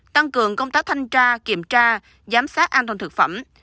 tăng cường công tác thanh tra kiểm tra giám sát an toàn thực phẩm